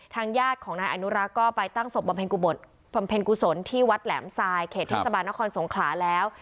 ญาติของนายอนุรักษ์ก็ไปตั้งศพบำเพ็ญกุฎบำเพ็ญกุศลที่วัดแหลมทรายเขตเทศบาลนครสงขลาแล้ว